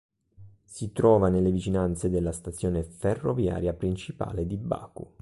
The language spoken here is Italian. Si trova nelle vicinanze della stazione ferroviaria principale di Baku.